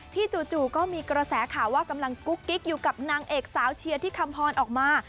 จู่ก็มีกระแสข่าวว่ากำลังกุ๊กกิ๊กอยู่กับนางเอกสาวเชียร์ที่คำพรออกมา